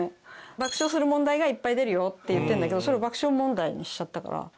「爆笑する問題がいっぱい出るよ」って言ってるんだけどそれを「爆笑問題」にしちゃったから。